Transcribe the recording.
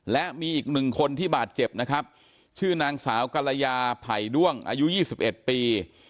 และมีอีกหนึ่งคนที่บาดเจ็บนะครับชื่อนางสาวกรยาไผ่ด้วงอายุ๒๑ปี